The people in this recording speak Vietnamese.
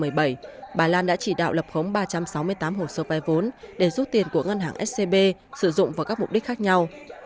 trương mỹ lan đã chỉ đạo lập khống chín trăm một mươi sáu hồ sơ vay vốn để rút tiền của ngân hàng scb sử dụng vào các mục đích khác nhau